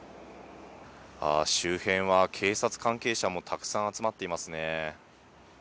周辺は警察関係者もたくさん集まっていますね。